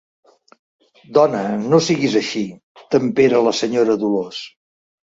Dona, no siguis així —tempera la senyora Dolors.